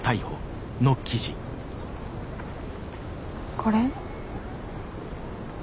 これ？